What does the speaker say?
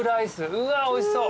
うわおいしそう。